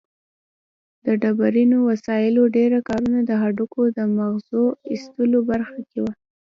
د ډبرینو وسایلو ډېره کارونه د هډوکو د مغزو ایستلو برخه کې وه.